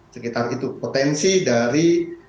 sekitar itu potensi dari